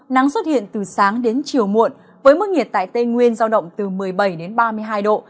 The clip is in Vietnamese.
nắng xuất hiện từ sáng đến chiều muộn với mức nhiệt tại tây nguyên giao động từ một mươi bảy đến ba mươi hai độ